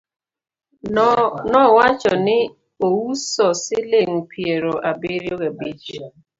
nowacho ni ouso siling piero abirio ga bich